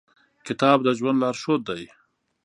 کتاب د ژوند لارښود دی.